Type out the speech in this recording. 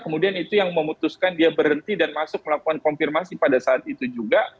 kemudian itu yang memutuskan dia berhenti dan masuk melakukan konfirmasi pada saat itu juga